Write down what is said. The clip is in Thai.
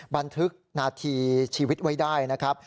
บันทึกนาทีชีวิตไว้ได้นะครับ